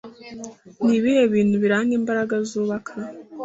Nibihe bintu biranga imbaraga zubaka